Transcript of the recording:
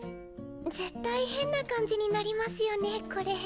絶対変な感じになりますよねコレ。